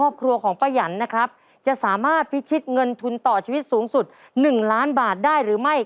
ครอบครัวของป้ายันนะครับจะสามารถพิชิตเงินทุนต่อชีวิตสูงสุด๑ล้านบาทได้หรือไม่